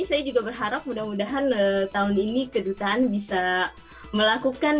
saya juga berharap mudah mudahan tahun ini kedutaan bisa melakukan